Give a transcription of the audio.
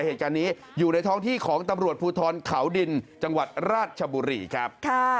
เหตุการณ์นี้อยู่ในท้องที่ของตำรวจภูทรเขาดินจังหวัดราชบุรีครับ